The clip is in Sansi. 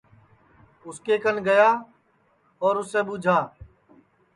اُس کے کن گیا اور اُسے ٻوجھا